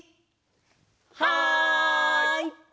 はい！